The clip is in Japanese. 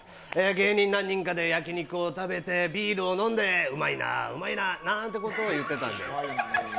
芸人何人かで焼き肉を食べて、ビールを飲んでうまいな、うまいななんてことを言ってたんです。